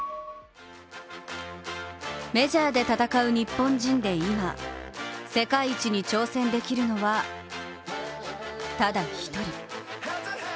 メジャーで戦う日本人で今、世界一に挑戦できるのは、ただ一人。